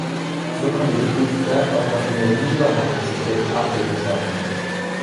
So kann geprüft werden, ob Raffinerieüberkapazitäten Abhilfe schaffen.